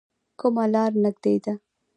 کومه لار نږدې ده؟